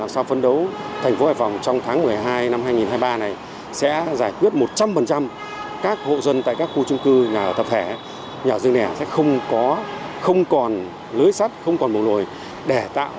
sau phấn đấu thành phố hải phòng trong tháng một mươi hai năm hai nghìn hai mươi ba này sẽ giải quyết một trăm linh các hộ dân tại các khu trung cư nhà tập thể nhà dân đẻ sẽ không còn lưới sắt không còn bầu nồi để tạo điều kiện an toàn cho cuộc sống an sinh của nhân dân thành phố hải phòng